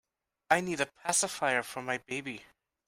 I need a pacifier for my baby.